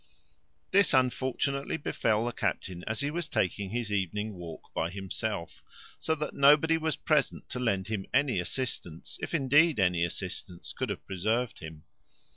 This unfortunately befel the captain as he was taking his evening walk by himself, so that nobody was present to lend him any assistance, if indeed, any assistance could have preserved him.